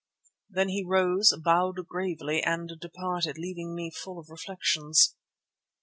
Then he rose, bowed gravely and departed, leaving me full of reflections.